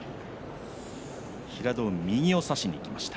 平戸海が右を差しにいきました。